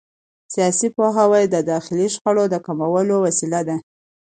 سیاسي پوهاوی د داخلي شخړو د کمولو وسیله ده